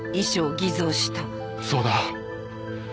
そうだ。